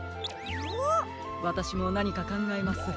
わたしもなにかかんがえます。